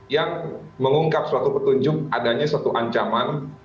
yang mengungkap suatu petunjuk adanya suatu ancaman